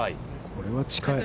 これは近い。